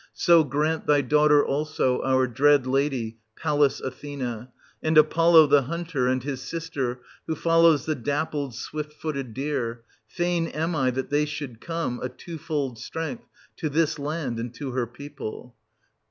So grant thy daughter also, our dread Lady, 1090 Pallas Athena ! And Apollo, the hunter, and his sister, who follows the dappled, swift footed deer — fain am I that they should come, a twofold strength, to this land and to her people.